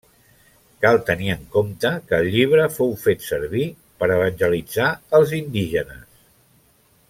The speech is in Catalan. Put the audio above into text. Cal tenir en compte que el llibre fou fet servir per evangelitzar els indígenes.